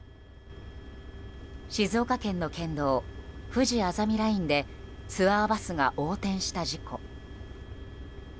静岡県の県道ふじあざみラインでツアーバスが横転した事故。